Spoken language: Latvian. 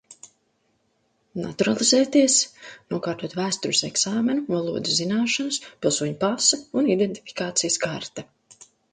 Naturalizēties - nokārtot vēstures eksāmenu, valodas zināšanas, pilsoņa pase un identifikācijas karte.